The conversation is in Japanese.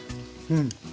うん。